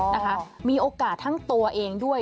นะคะมีโอกาสทั้งตัวเองด้วย